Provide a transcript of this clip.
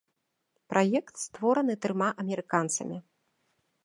Праект створаны трыма амерыканцамі.